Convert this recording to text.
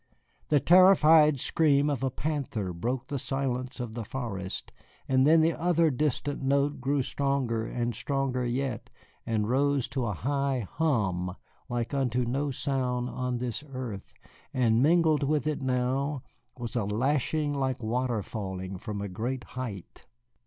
The terrified scream of a panther broke the silence of the forest, and then the other distant note grew stronger, and stronger yet, and rose to a high hum like unto no sound on this earth, and mingled with it now was a lashing like water falling from a great height.